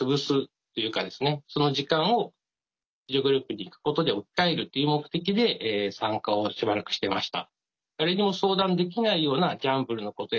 その時間を自助グループに行くことで置き換えるという目的で参加をしばらくしてました。